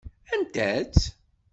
Anta-tt?